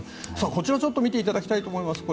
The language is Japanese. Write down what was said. こちら見ていただきたいと思います。